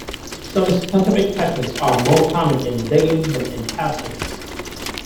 Some specific techniques are more common in digging than in passing.